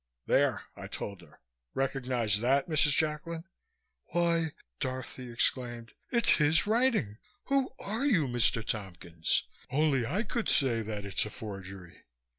"There!" I told her. "Recognize that, Mrs. Jacklin?" "Why!" Dorothy exclaimed. "It's his writing! Who are you, Mr. Tompkins? Only I could say that it's a forgery."